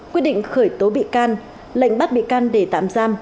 quyết định khởi tố bị can lệnh bắt bị can để tạm giam